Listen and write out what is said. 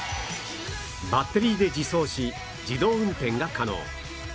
バッテリーで自走し自動運転が可能